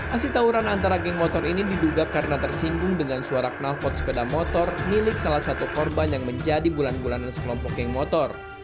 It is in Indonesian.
aksi tawuran antara geng motor ini diduga karena tersinggung dengan suara kenalpot sepeda motor milik salah satu korban yang menjadi bulan bulanan sekelompok geng motor